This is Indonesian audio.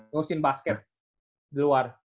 nelusin basket di luar